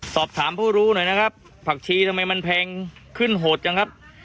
สอบถามผู้รู้หน่อยนะครับผักชีทำไมมันแพงขึ้นโหดจังครับ